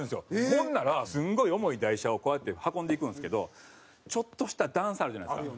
ほんならすごい重い台車をこうやって運んでいくんですけどちょっとした段差あるじゃないですか。